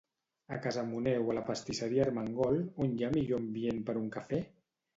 A Casamoner o la pastisseria Armengol, on hi ha millor ambient per un cafè?